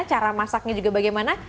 cara masaknya juga bagaimana